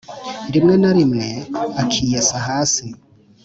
rimwe narimwe akiyesa hasi